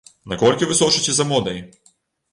Наколькі вы сочыце за модай?